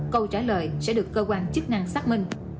câu trả lời sẽ được cơ quan chức năng xác minh